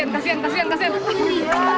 kasian kasian kasian